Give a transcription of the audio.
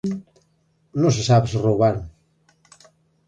Non se sabe se roubaron.